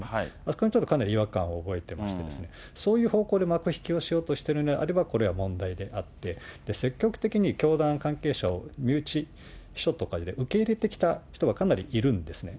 そこにちょっとかなり違和感を覚えていまして、そういう方向で幕引きをしようとしているのであれば、これは問題であって、積極的に教団関係者を身内、秘書とかで受け入れてきた人がかなりいるんですね。